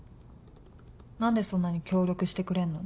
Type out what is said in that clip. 何でそんなに協力してくれんの？